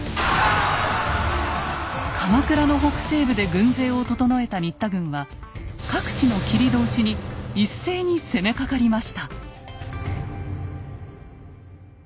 鎌倉の北西部で軍勢を整えた新田軍は各地の切通に一斉に攻めかかりました。